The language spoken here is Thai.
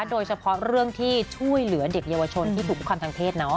โดยเฉพาะเรื่องที่ช่วยเหลือเด็กเยาวชนที่ถูกคุกคำทางเพศ